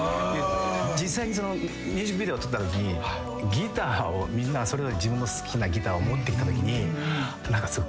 実際にミュージックビデオ撮ったときギターをみんなそれぞれ自分の好きなギターを持ってきたときに感動しちゃって。